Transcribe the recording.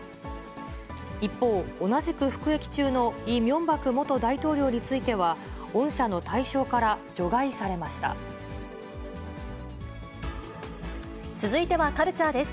一方、同じく服役中のイ・ミョンバク元大統領については恩赦の対象から続いてはカルチャーです。